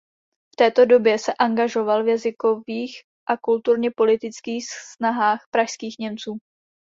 V této době se angažoval v jazykových a kulturně politických snahách pražských Němců.